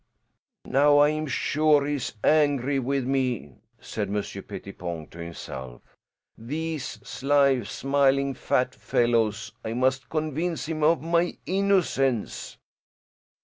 "Now I am sure he is angry with me," said Monsieur Pettipon to himself. "These sly, smiling, fat fellows! I must convince him of my innocence."